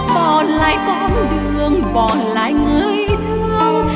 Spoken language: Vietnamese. bỏ lại con đường bỏ lại người thương